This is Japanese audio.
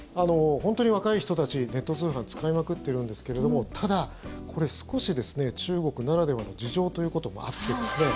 本当に、若い人たちネット通販使いまくっているんですけれどもただ、これ少し中国ならではの事情ということもあってですね